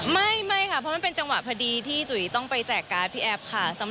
ไม่ค่ะเพราะมันเป็นจังหวะพอดีที่จุ๋ยต้องไปแจกการ์ดพี่แอฟค่ะ